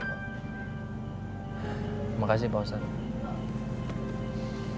terima kasih pak ustadz